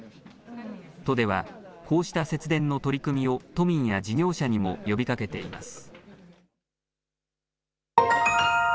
都ではこうした節電の取り組みを都民や事業者にも呼びかけています。